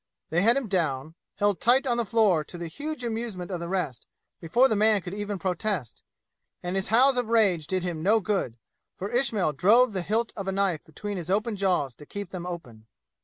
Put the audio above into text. They had him down, held tight on the floor to the huge amusement of the rest, before the man could even protest; and his howls of rage did him no good, for Ismail drove the hilt of a knife between his open jaws to keep them open.